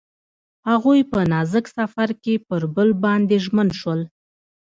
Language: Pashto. هغوی په نازک سفر کې پر بل باندې ژمن شول.